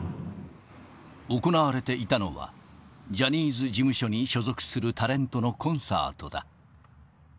行われていたのは、ジャニーズ事務所に所属するタレントのコンサートだ。